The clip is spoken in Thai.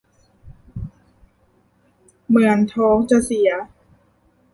เหมือนท้องจะเสีย